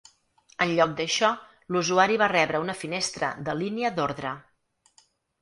En lloc d'això, l'usuari va rebre una finestra de línia d'ordre.